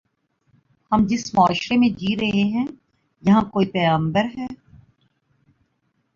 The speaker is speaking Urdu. ہم جس معاشرے میں جی رہے ہیں، یہاں کوئی پیغمبر ہے۔